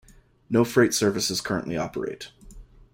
No freight services currently operate.